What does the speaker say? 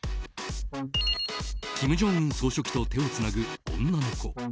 金正恩総書記と手をつなぐ女の子。